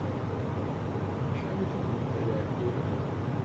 Ɣef wacḥal ay tewwḍemt ɣer Iɛekkuren?